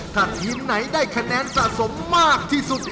ถ้าทีมไหนได้คะแนนสะสมมากที่สุด